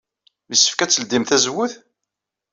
Yessefk ad tledyem tazewwut?